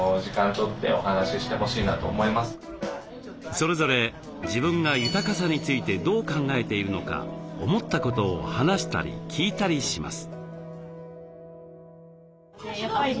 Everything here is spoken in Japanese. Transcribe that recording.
それぞれ自分が豊かさについてどう考えているのか思ったことを話したり聞いたりします。